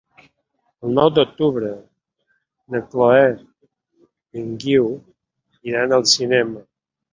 El nou d'octubre na Chloé i en Guiu iran al cinema.